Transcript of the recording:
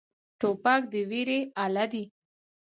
توپک د ویرې اله دی.